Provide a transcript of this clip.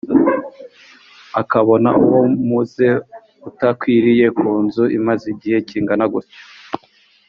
akabona uwo muze utakwiriye ku nzu imaze igihe kingana gutyo